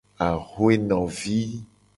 Axwenovi.